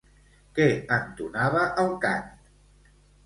Què entonava el cant?